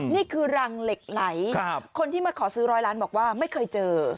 นี่คือรังเหล็กไหลคนที่มาขอซื้อร้อยล้านบอกว่าไม่เคยเจอ